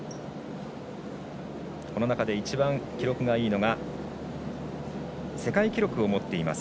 この中で一番記録がいいのは世界記録を持っています